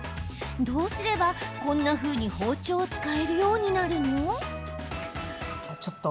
どうすれば、こんなふうに包丁を使えるようになるの？